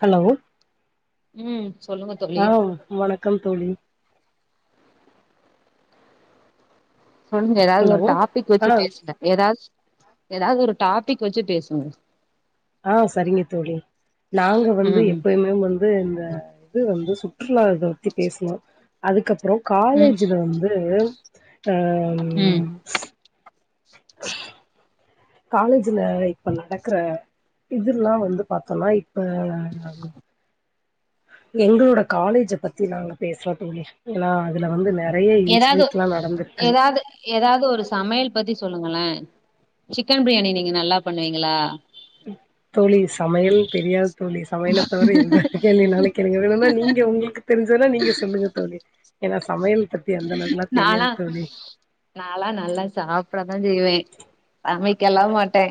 Hello ம் சொல்லுங்க தோழி ஆ வணக்கம் தோழி சொல்லுங்க எதாவது ஹலோ ஒரு டாபிக் ஆ வச்சு பேசுங்க ஏதாச்சு ஏதாவது ஒரு டாபிக் வச்சு பேசுங்க ஆ சரிங்க தோழி நாங்க வந்து ம் எப்பயுமே வந்து இந்த இது வந்து சுற்றுலா இத பத்தி பேசுனோ அதுக்கப் புறோ ம் காலேஜில வந்து ம் அம் காலேஜுல இப்ப நடக்கற இதுல்லா வந்து பாத்தோன்னா இப்ப ம் எங்களோட காலேஜ பத்தி நாங்க பேசுறோ தோழி ஏன்னா அதுல வந்து நெ எதாவது எதாவது எதாவது ஒரு சமையல் பத்தி சொல்லுங்களே சிக்கன் பிரியாணி நீங்க நல்லா பண்ணுவீங்களா தோழி சமையல் தெரியாது தோழி சமையல தவிர எந்த கேள்வினாலு கேளுங்க வேணுன்னா நீங்க உங்களுக்கு தெரிஞ்சதுன்னா நீங்க சொல்லுங்க தோழி ஏன்னா சமையல் பத்தி அந்த அளவுக்குல்லா தெரியாது நால்லா தோழி நால்லா நல்லா சாப்படதா செய்வே சமைக் கல்லா மாட்டே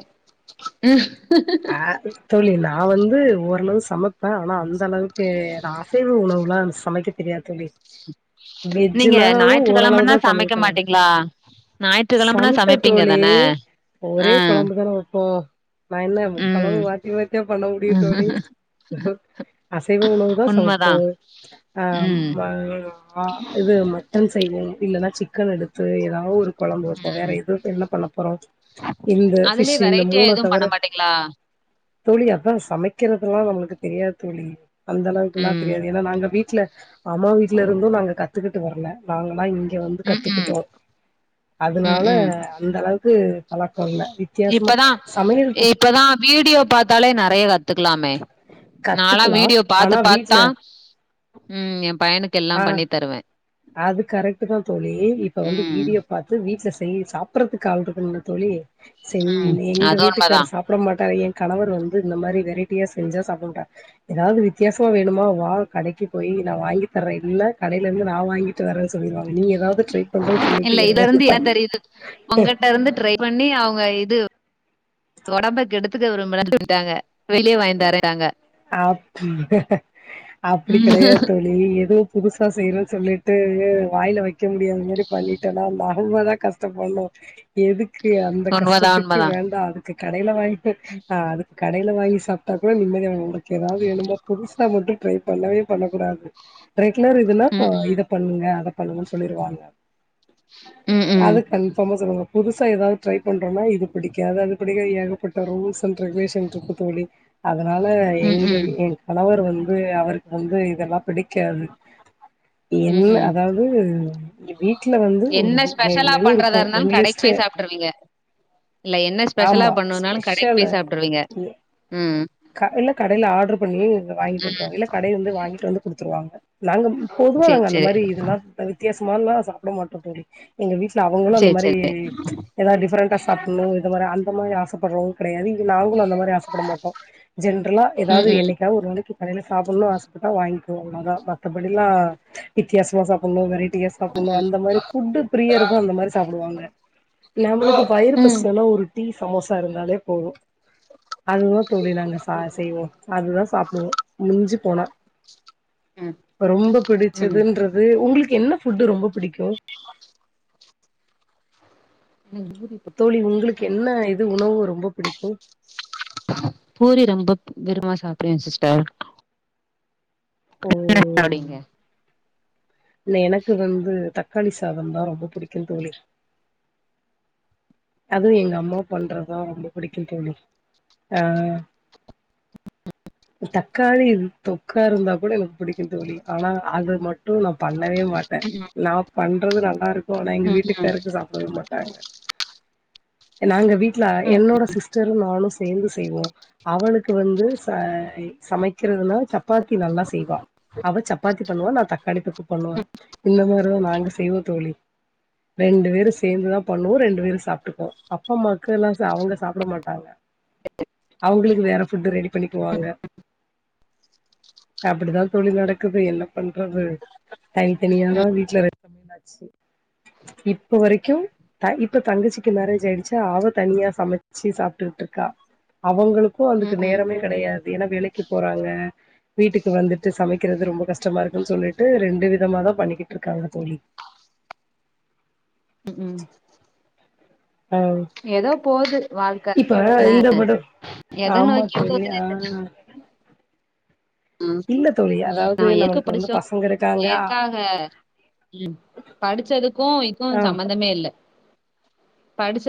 ஆ தோழி நா நா வந்து ஓரளவு சமைப்பே ஆனா அந்த அளவுக்கு நா அசைவ உணவுலா சமைக்க தெரியாது தோழி நீங்க வெஜ்ஜுனாலு ஞாயிற்றுக்கிழமனா ஓரளவுதா சமைக்க சமைப்ப நானு மாட்டீங்களா ஞாயிற்றுக்கிழமனா சமைப்பே சமைப்பீங்க தோழி தான ஆ ஒரே கொழம்புதான வப்போ நா என்ன குழம்பு ம் மாத்தி மாத்தியா பண்ண முடியும் தோழி அசைவ உணவு தான் உண்மதா சமைப்போம் ஆ ம் ம் ஆ இது மட்டன் செய்வேன் இல்லன்னா சிக்கன் எடுத்துவேன் ஏதாவது ஒரு குழம்பு வைப்போம் வேற ம். என்ன தோழி பண்ண போறோம் இந்த அதுலயே பிஃஷ் இந்த வெரைட்டியா மூண எதுவும் தவிர பண்ண மாட்டீங்களா? தோழி அதான் சமைக்கிறதுல்லாம் நம்மளுக்கு தெரியாது தோழி ம் அந்த அளவுக்கெல்லாம் ம். தெரியாது ஏன்னா நாங்க வீட்ல அம்மா வீட்ல இருந்தும் நாங்கக்கா த்துக்கிட்டு வர்ல நாங்க தான் இங் வந்து ம்ஹ்ம். கத்துக்கிட்டோம் அதனால ம்ஹ்ம். அந்த அளவுக்கு வழக்கம் இல்ல வித்தியாசமா இப்பதான் சமையல் எத்து இப்பதான் வீடியோ பார்த்தாலே நறைய கத்துக்கலாமே நாலாம் கத்துக்கலாம் வீடியோ பாரத்து ஆனா பார்த்து வீட்ல தான் ம் எம் ஆ அது கரெக்ட்டு தான் தோழி இப்ப வந்து ம், வீடியோ பார்த்து வீட்டுல செய் சாப்டறதுக்கு ஆள் இருக்கனும்ல தோழி செரி ம். எங்க அது உண்மதான். வீட்டுக்காரர் சாப்பிட மாட்டார் எ கணவர் வந்து இந்த மாதிரி வெரைட்டியா செஞ்ச சாப்ட மாட்டார் ஏதாவது வித்தியாசமா வேணுமா வா கடைக்கு போய் நா வாங்கி ரெடியா கடையில இருந்து நான் வாங்கிட்டு வரேன்னு சொல்லிருவாங்க நீ ஏதாவது ட்ரை பண்றன்னு சொல்லிட்டு இல்ல இதுல எதையாவது இருந்து என்ன பண்ணு தெரியுதுன்னா உங்கிட்ட இருந்து ட்ரை பண்ணி அவு ங்க இது உடம்ப கெடுத்துக்க விரும்பலன்னு சொல்லிட்டாங்க வெளிய வாங்கி தரேன்ட்டாங்க. அப்ப அப்படி ம். கெடையாது தோழி ஏதோ புதுசா செய்யணும் சொல்லிட்டு வாயில வைக்க முடியது மாதிரி பண்ணிட்டேன்னா அவுங்க தான் கஷ்டப்படனும் எதுக்கு அந்த உண்மதான், கஷ்டத்துக்கு உண்மதான். வேண்டா அதுக் கடையில வாங் கி ம். ஆ அதுக் கடையில வாங்கி சாப் கு நிம்மதியா உனக்கு ஏதாவது வேணுமா புதுசா மட்டும் ட்ரை பண்ணவே பண்ணக் கூடாது ரெகுலரா இதுல ம்ஹ்ம். இத பண்ணுங்க அத பண்ணுங்கன்னு சொல்லிருவாங்க ம்ஹ்ம். அது கன்ஃபார்மா சொல்லுங்கொ புதுசா ஏதாவது ட்ரை பண்றோன்னா இது பிடிக்காது அது பிடிக்காது ஏகப்பட்ட ரூல்ஸ் அண்ட் ரெகுலேஷன் இருக்கு தோழி அதனால எங்க ம்ஹ்ம். வி என் கணவ ர் வந்து அவருக்கு வந்து இதெல்லா பிடி க்காது என்ன ம்ஹ்ம். அதாவது இ வீட்ல வந்து ஒரு என்ன மெ ஸ்பெஷலா மெனு பண்றதா இருக்கு இருந்தாலு மெனு கடைக்கு லிஸ்ட்டு போய் சாப்ட்ருவீங்க இல்ல என்ன ஸ்பெஷலா ஆமா பண்ணணுனாலு கடைக்கி ஸ்பெஷலு போய் சாப்ட்ருவீங்க ம் ம் க இல்ல கடைல ஆட்ரு பண்ணி வாங்கிட்டு ம் வந்துருவாங்க இல்ல கடைல இருந்து வாங்கிட்டு வந்து குடுத்து ருவாங்க நாங்க பொதுவா சேரி நாங்க அந்த சேரி மாரி இதெல்லா அ வித்தியாசமால்லா சாப்ட மாட்டோ தோழி எங்க வீட்ல அவங்களு அந்த சேரி மாரி சேரி எதாவது டிஃபரெண்டா சாப்பட்ணு இது மாரி அந்த மாரி ஆச ப்படறவங்க கெடையாது இது நாங்களு அந்த மாரி ஆசப்பட மாட்டோ ஜென்ரலா ம் எதாவது ம் என்னைக்கா ஒரு நாளை க்கி கடைல சாப்பட்ணுனு ஆசப்பட்டா வாங்கிக்குவோ அவ்ளதா மத்தபடில்லா வித்தியாசமா சாப்பட்ணு வெரைட் டியா சாப்பட்ணு அந்த மாரி ஃபுட்டு பிரியர்தா அந்த மாரி சாப்புடுவாங்க நம்மளுக்கு வயிறு ம் ம் ம் பசிச்சதுனா ஒரு டீ சமோசா இருந்தாலே போது அதுதா தோழி நாங்க சா செய்வோ அதுதா சாப்புடுவோ மிஞ்சிப் போனோ அ ரொம்ப பிடிச்சதுன்றது உங்களுக்கு என்ன ஃபுட்டு் ரொம்ப பிடிக்கு [inaudible] எனக்கு பூரி பிடிக்கும். தோழி உங்களுக்கு என்ன இது உணவு ரொம்ப பிடிக்கு பூரி ரொம்ப விருப்பமா சாப்டுவே சிஸ்டர் ஓ [inaudible] சாப்டுவீங்க இல்ல எனக்கு வந்து தக்காளி சாதந்தா ரொம்ப பிடிக்கு தோழி அது எங்க அம்மா பண்ற அதா ரொம்ப பிடிக்கு தோலி ஆ தக்காளி தொக்கா இருந்தா கூட எனக்கு பிடிக்கு தோழி ஆனா அது மட்டு நா பண்ண ணவே மாட்டே ம் நா பண் றது நல்லா இருக் போனா எங்க ம் ம் வீட்டுக்காருக்கு சாப்பிடவே மாட்டாங்க ஏனாங்க வீட் ட்ல ம் என்னோட சிஸ்டரு நானு சேர்ந்து செய்வோ அவளுக்கு வந்து ச சமைக்கிறதுனா சப் சப்பாத்தி நல்லா செய்வா அவ சப்பாத்தி பண்ணுவா நா தக்காளி தொக்கு பண்ணுவே இல்லனா [unintelligible] நாங்க செய்வோ தோழி ரெண்டு பேரு சேர்ந்துதா பண்ணுவோ ரெண்டு பேரு சாப்ப [unintelligible] அப்பா அம்மாக்குல்லாம் அவங்க சாப்பிட மாட்டாங்க அவங்களுக்கு வேறஃபுட் ரெடி பண்ணிக்குவாங்க அப்டித்தா தொழி நடக்குது என்ன பண்றது தனித்தனியாதா வீட்டுல மேச்சு இப்ப வரைக்கு இப்ப தங்கச்சி க்கு மேரஜ் ஆயிடுச்சா வ தனியா சமைச்சு சாப்பிட்டுட்டு இருக்கா அவங்களுக்கு அதுக்கு ம் நேரமே கடையாது ஏன்னா வேலைக்கு போறாங்க வீட்டுக்கு வந்துட்டு சமைக்கிறது ரொம்ப கஷ்டமா ம் இருக்குன்னு சொல்லிட்டு ரெண்டு பே விதமாதா பண்ணிக்கிட்டு இருக்காங்க தோழி உ உ ஆ ஏதோ போது வாழ் இப்ப இந்த படோ ஆமா நோக்கி தோழி போதுனே ஆ ஆ இல்ல தோழி நா அதாவது நம்மளுக்கு வந்து ஏற்கபடிச்சோ பசங்க இருக்காங்க ஏற்காக உ படிச்சதுக்கு கு ஆ சம்பந்தமே இல்ல படிச்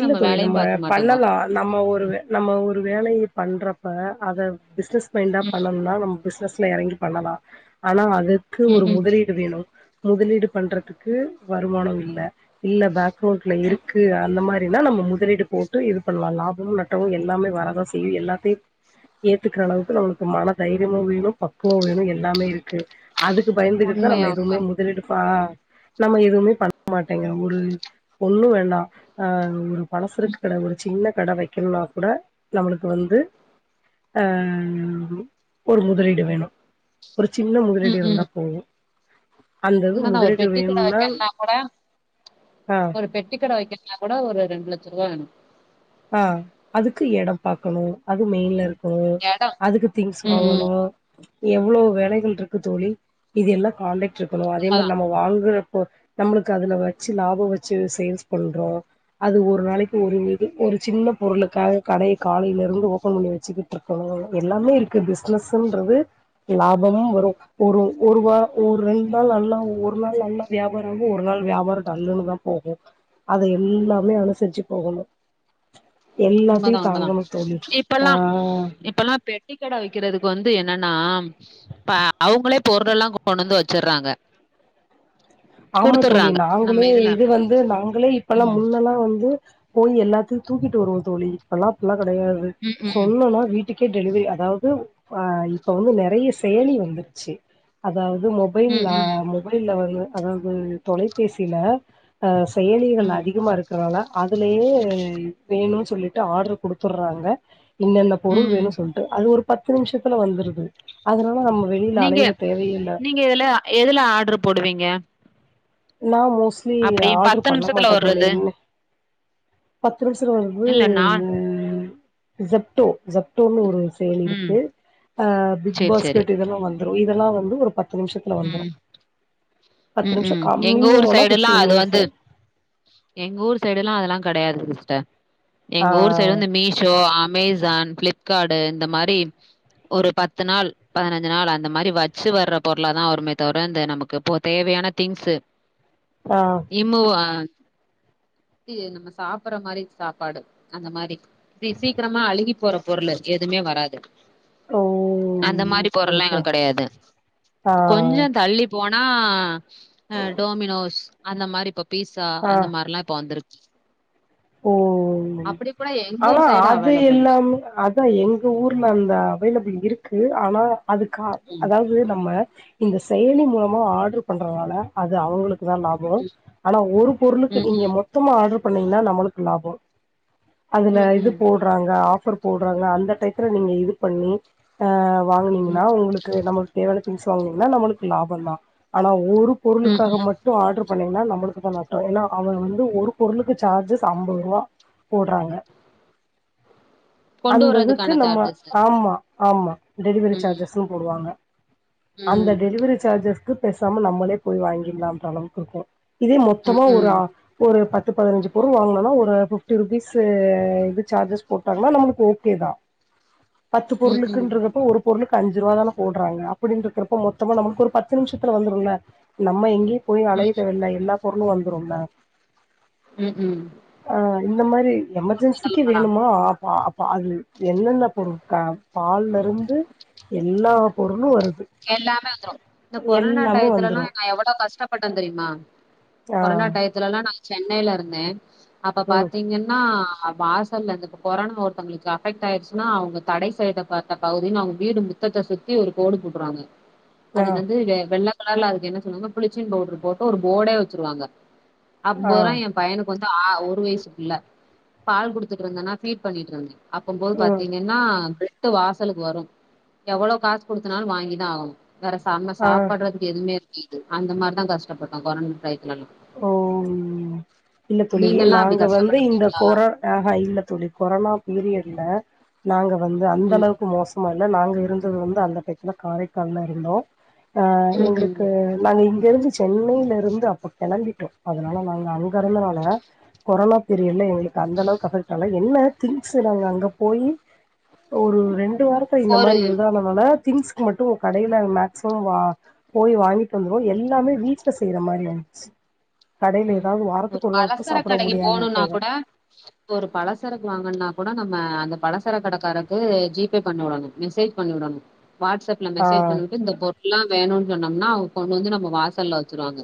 இல்ல தோழி நம்ம பண்ணலா நம்ம ஒரு நம்ம ஒரு வேலைய பண்றப்ப அது பிசினஸ் மைண்டா ம் பண்ணணம்னா நம்ம பிசினஸ் ல எறங்கி பண்ணலா ஆனா அது அதர்க்கு ம் ஒரு ம். முதலீடு வேணு முதலீடு பண்றதுக்கு வருமானோ இல்ல ல இல்ல பேக்ரவுண்ட்ல இருக்கு அந்த மாரி அப்டின்னா நம்ம முதலீடு போட்டு இது பண்ணலா லாபமு நட்டமு எல்லாமே வரதா செய்யு எல்லாத்தையு ஏத்துக்குற அளவுக்கு நமக்கு மன தைரியமு வேணு பக்குவமு வேணு எல்லாமே இருக்கு அதுக்கு பயந்துகுட்டுதா நம்ம உண்மையா உண்ம. எதுமே முதலீடு ஆ நம்ம எதுவுமே பண்ண மாட்டேங்குறோ ஒரு ஒன்னு வேண்டா ஆ ஒரு பலசரக்கு கட ஒரு சின்ன கட வக்கணுனா கூட நம்மளுக்கு வந்து ஆ ஒரு முதலீடு வேணு ஒரு சின்ன முதலீடி இருந்தா போது அந்த இது உண்மதா ஒரு முதலீடு பெட்டி கட வேணும்னா வக்கனுனா கூட ஆ ஒரு பெட்டி கட வக்க அ கூட ஒரு ரெண்டு லட்ச ரூபா வேணு ஆ அதுக்கு எடம் பாக்கணு அது மெயின்ல்ல இருக்கணும் எடம் அதுக்கு மெய்ன்ல இருக்கு அதுக்கு திங்ஸ் ம், ம். வாங்கணு எவ்ளோ வேலைகள் இருக்கு தோழி இது எல்லா கால்லே இருக்கணு அதே மாரி உண்மதான், நம்ம வாங்குற நம்மளுக்கு அதுல வச்சு லாப வச்சு சேல்ஸ் பண்றோ அது ஒரு நாளைக்கு ஒரு ஒரு சின்ன பொருளுக்காக கடய காலேலிருந்து ஓபன் பண்ணி வெச்சுகிட்டு இருக்கணு எல்லாமே இருக்கு பிசினஸ்ன்றது லாபமும் வரு ஒரு ஒரு வ ஒரு ரெண்டு நாள் நல்லா ஒரு நாள் நல்லா வியாபாரம் ஆ ஒரு நாள் வியாபார டல்லுன்னுதா போகு அத எல்லாமே அனுசரிச்சு போகணு எல்லாத்தையு உண்மதா உண்மதா தாங்கணு தோழி ஆ இப்பல்லா இப்பல்லா பெட்டிக்கட வெக்குறதுக்கு வந்து என்னன்ன நா இப்ப அவுங்களே பொருளெல்லா கொண்டு வந்து வச்சுருறாங்க ஆமா தோழி நாங்களே இது வந்து நாங்களே இப்பல்லா ம். முன்னெல்லா வந்து போய் எல்லாத்தையு தூக்கிட்டு வருவோ தோழி இப்பல்லா அப் கெடயாது ம், ம். சொன்னோனா வீட்டு வீட்டுக்கே டெலிவரி அதாவது ஆ இப்ப வந்து நெறய செயலி வந்துருச்சு அதாவது ம், மொபைல்லா ம். மொபைல்ல வந்து அதாவது தொலைபேசில அ செயலிகள் ம். அதிகமா இருக்குறனால அதுலயே வேணு சொல்லிட்டு ஆர்டர் குடுத்துறாங்க என்னென்ன பொருள் ம். வேணு சொல்ட்டு அது ஒரு பத்து நிமிஷத்துல வந்துருது அதனா நீங்க நீங்க இதுல எதுல ஆடரு போடுவீங்க ந மோ ஸ்லி அப்படி ஆடரு பண்ண நிமிஷத்துல மாட்டா தோழி வர்றது? பத் திருசிற வந்து இல்ல நான் இசப்தோ இசப்தோன்னு ஒரு செயல் ம். இருக்கு அ பிக் சரி, சரி. பாஸ்கெட் இதல்லா வந்து இதல்லா வந்து ஒரு பத் பத்து நிமிஷத்துல வந்துரு ம். பத்து ம் நிமிஷத் ம் எங்க ஊர் சைடெல்லா அது வந்து எங்க ஊர் சைடு எல்லா அதெல்லா கட் கெடையாதுங் சிஸ்டர் எங்க ஊர் சைடு ஆ வந்து மீஷோ அமேசான் பிளிப்காடு இந்த மாரி ஒரு பத்து நாள் பதினஞ்சு நாள் அந்த மாரி வச்சு வர்றப் போ க்குல வருமே தவிர இந்த நமக்கு இப்போ தேவயான திங்ஸ் ஆ இம்முவா நம்ம சாப்பற மாரி சாப்பாடு அந்த மாரி இ சீக்கிரமா அழுகி போற பொருள் எதுமே வராது ஓ அந்த மாரி ஓகே பொருள்லா ஓகே எங்களுக்கு கெடையாது ஆ கொஞ்ச தள்ளி போ பொனா அ டோமினோஸ் அந்த மாரி பப் பீஸா ஆ அந்த மாரில்லா இப்ப வந்துருக்கு ஓ அப்படி கூட எங்க ஆனா ஊர் சைடு அது அவைலபிள் இல்லாம அதா எங்க ஊர்ல அந்தா அவைலபிள் இருக்கு ஆனா அதுக்கா ம் அதாது நம்ம இந்த செயலி மூலமா ஆடரு பண்றனால அது அவுங்களுக் தா லாப ஆனா ஒரு பொருளுக்கு ம் நீங்க மொத்தமா ஆடுர் பண்ணீங்களா நம்மளுக்கு லாபம் ம் அதுல ம் இது ம் போடுறாங்க அப் பர் போடுறாங்க அந்த டையதுல நீங்க இது பண்ணி வாங்குனீங்கன்னா ம் உங்களுக்கு நமக்கு தேவையான தீவ்ஸ் வாங்குனிங்களா நம்மளுக்கு லாபம் தான் ஆனா ஒரு ம் பொருளுக்காக ம் மட்டும் ஆடர் பண்ணீங்கன்னா நம்மளுக்கு தான் நட்டம் ஏன்னா அவர் வந்து ஒரு பொருளுக்கு சார்ஜஸ் அம்பது ரூவா போடுறாங்க கொண்டு அந்ததுக்கு வர்றதுக்கான நம்ம சார்ஜஸ் ஆமா ஆமா டெலிவரி ம் சார்ஜஸ் போடுவாங்க அந்த ம் டெலிவரி சார்ஜஸ்க்கு பேசாம நம்மளே போய் வாங்கிடலாம் அந்த அளவுக்கு இருக்கும் இது ம் மொத்தமா ஒரு ம் ம் ஒரு பத்து பதினஞ்சு வாங்கனா ஒரு பிப்டி ருபீஸ் இது சார்ஜஸ் போட்டாங்கானா நம்மளுக்கு ஓகே தான் பத்து ம் ம் பொருளுக்குன்றப்போ ஒரு பொருளுக்கு அஞ்சு ரூபா தானே போடுறாங்க அப்டின்றப்ப மொத்தமா நம்மளுக்கு ஒரு பத்து நிமிஷத்துல வந்துரும்ல நம்ம எங்கயும் போய் அலைய வேண்டாம் எல்லா பொருளும் வந் ரொம்ப ம் ம் ஆ இந்த மாரி எமர்ஜென்சிக்கு உண்மைதான். வேணுமா ஆ அ பாது என்னென்ன பொருட்கள் பால்ல இருந்து எல்லாம் உடனே வரும் எல்லாமே வந்துரும் இந்த கொரோனா டயத்துல எல்லா வந்துரு நா எவ்ளோ கஷ்டப்பட்டேன் தெரியுமா ஆ கொரோனா டத்துல எல்லா நா சென்னையில இருந்தேன் அப்ப ம் பாத்தீங்கன்னா வாசல்ல இருந்து கொரோனா ஒருத்தவங்களுக்கு அஃபெக்ட் ஆயடுச்சுன்னா அவங்க தடை செய்யபட்ட பகுதினு அவுங்க வீடு முத்தத்தை சுத்தி ஒரு கோடு போட்டுருவாங்க ஆ அதன் வந்து வெ வெள்ளா கலர்ல அதுக்கு என்ன சொல்லுவாங்க புளிச்சின் பவுடர் போட்டு ஒரு போர்டே வச்சுருவாங்க ஆ அப்போ தான் என் பையனு கொஞ்சம் ஒரு வயசு பிள்ள பால் குடுத்துட்டு இருந்தேன்னா ஃபீட் பண்ணிட்டு இருந்தேன் அப்ப போது ம் பாத்தீங்கன்னா அந்த வாசலுக்கு வரு எவ்ளோ காசு குடுத்துனாலு வாங்கி இதா ஆகு வேற சம் ஆ சாப்படுறதுக்கு எதுமே இல் இது அந்த மாரிதா கஷ்டப்பட்ட கொரோனா டைம் ஓ இல்ல தோழி நீங்கல்லா அப்டி நாங்க வந்து இந்த கஷ்டப்பட்டதுங்களா கொரோ ஆஹா இல்ல தோழி கொரோனா பீரியட் இல்ல நாங்க வந்து அந்த ம் அளவுக்கு மோச சும்ம இல்ல நாங்க இருந்தது வந்து அந்த டையத்துல காரைக்கால்லா இருந்தோ ஆ ம் ம் எங்களுக்கு நல் இருந்து சென்னையில இருந்து அப்ப கெளம்பிட்டோ அதனால நாங்க அங்க இருந்தனால கொரோனா பீரியட்ல எங்களுக்கு அந்த அளவுக்கு அஃபெக்ட் ஆல என்ன திங்ஸ் நாங்க அங்க போய் ஒரு ரெண் ண்டு வார்த்தை இந்த ஒரு மாரி இதா அதனால திங்ஸ்கு மட்டும் கடையில மேக்ச்சிமம் வா போய் வாங்கிட்டு வந்துருவோ எல்லாமே வீட்ல செய்யிற மாரி [inaudible] கடையில ம் ஏதாவது ஒரு வாரத்துக்கு நாள் கூட பலசர சாப்பிட கடைக்கு முடியாத போணும்னா போக கூட ஒரு பழசரக்கு வாங்கணுனா கூட நம்ம அ அந்த பலசர கடைக்காரருக்கு ஜிபே பண்ணி விடணு மெசேஜ் பண்ணி விடணு வாட்ஸ்அப்ல ஆ மெசேஜ் பண்ணிட்டு இந்த போர் இல்லா வேணும் சொன்னோம்னா அவ கொண்டு வந்து நம்ம வாசல்ல வச்சுருவாங்க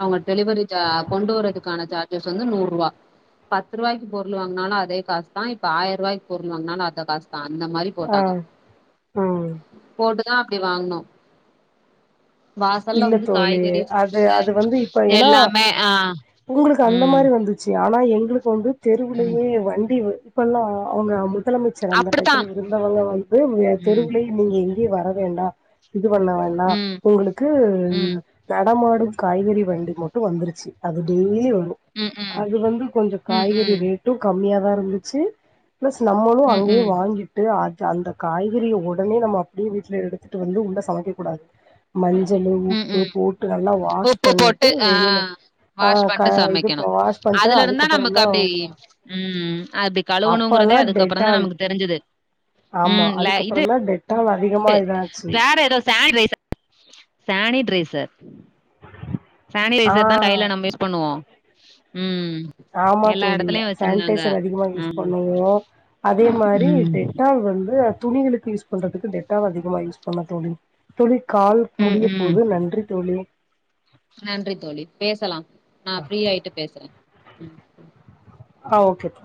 அவங்க டெலிவரி ஜ கொண்டு வறதுக்கான சார்ஜஸ் வந்து நூறு ரூபா பத்து ரூபாய்க்கு பொருள் வாங்கினாலு அதே காசு தான் இப்ப ஆயிர ரூபாய்கு பொருள் வாங்கினாலு அந்த காசு தா இப்ப அந்த மாரி ஆ போட்டாங்க ம் போட்டு இதா அப்டி வாங்கனு வாசல்ல இல்ல வந்து தோழி காய்கறி அது ஜூஷூ அது வந்து இப்ப ஏன்னா எல்லா உங்களுக்கு அந்த மாரி வந்துச்சுயா ஆனா எங்களுக்கு வந்து ம் தெருவுலேயே வண்டி வ இப்பெல்லா அவுங்க அமுல் முதலமைச்சர் அந்த அப்டித்தா டத்துல இருந்தவங்க வந்து ம் தெருவுல நீங்க எங் யே வர வேண்டா இது பண்ண வேன்னா ம் உங்களுக்கு ம் [unintelligible] மாடும் காய்கறி வண்டி மட்டும் வந்துருச்சு அது டெய்லி வரு து ம் ம் அது வந்து கொஞ்ச ம் காய்கறி ம் ரேட்டும் கம்மியா இருந்துச்சு பிளஸ் நம்மளும் ம் அங்கேயே ம் வாங்கிட்டு அந்த காய்கறிய உடனே நம்ம அப்படியே வீட்ல எடுத்துட்டு வந்து உள்ள சமைக்க கூடாது மஞ் சள் ம் உப்பு ம் போட்டு நல்லா வாஷ் உப்பு பண்ணிட்டு போட்டு ஆ வெளில அ வாஷ் க பண்ட்டு இது சமைக்கணு வாஷ் பண்ணிட்டு அதுல இருந்தா அதுக்கப்புறம் நமக்கு அப்டி தான் ம் அப்டி கழுவணுங்கிறதே அப்போலா அதுக்கப்புறந்தா டெட்டால் நமக்கு தெரிஞ்சது ஆமா ம் ல இது அதுக்கப்புறம் தான் டெட்டால் அதிகமா இதாச்சு வேற ஏதோ சானிடைசர் சானிடைசர் ஆ நம்ம யூஸ் பண்ணுவோ ம் ஆமா எல்லா தோழி எடத்துலயு வச்சிருந்தாங்க சானிடைசர் அதிகமா யூஸ் ம் பண்ணுவோம் அதே மாரி ம் டெட்டால் வந்து துணிகளுக்கு யூஸ் பண்றதுக்கு டெட்டால் அதிகமா யூஸ் பண்ணோம் தோழி தோழி கால் ம் முடிய ம் போது நன்றி தோழி நன்றி தோழி பேசலாம் நான் ப்ரியாயிட்டு பேசுறன் ம் ம் ஓகே பா